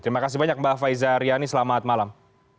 terima kasih banyak mbak faiza riani selamat malam